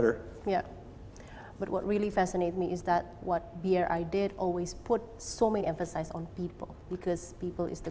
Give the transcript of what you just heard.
tapi yang menarik untuk saya adalah bri selalu memasukkan banyak penekan pada orang